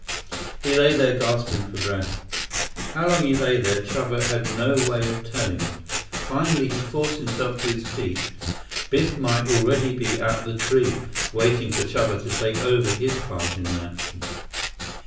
He lay there gasping for breath. How long he lay there, Chuba had no way of telling. Finally, he forced himself to his feet. Biff might already be at the tree, waiting for Chuba to take over his part in the action.